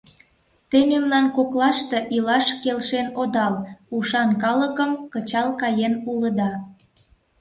Те мемнан коклаште илаш келшен одал, ушан калыкым кычал каен улыда.